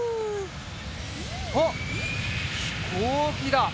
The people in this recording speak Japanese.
あっひこうきだ！